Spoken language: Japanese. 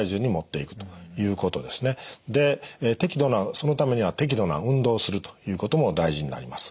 そのためには適度な運動をするということも大事になります。